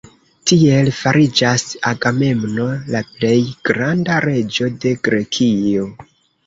Tiel fariĝas Agamemno la plej granda reĝo de Grekio.